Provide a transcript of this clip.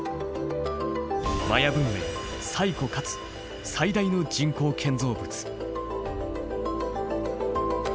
マヤ文明最古かつ最大の人工建造物。